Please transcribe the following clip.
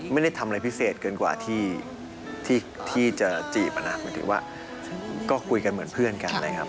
ไม่ได้ทำอะไรพิเศษเกินกว่าที่จะจีบนะหมายถึงว่าก็คุยกันเหมือนเพื่อนกันนะครับ